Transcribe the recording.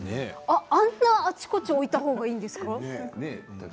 あんなにあちこち置いたほうがいいんですか？